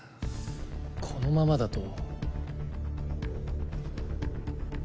このままだと。